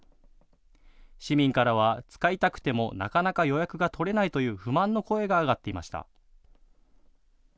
市民からは使いたくてもなかなか予約が取れないという不満の声が上がっていました。